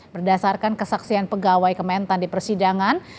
berdasarkan kesaksian pegawai kementan di persidangan